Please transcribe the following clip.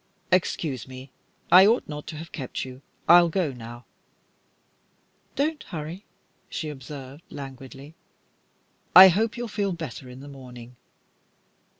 "Excuse me, I ought not to have kept you. I'll go now." "Don't hurry," she observed, languidly. "I hope you'll feel better in the morning."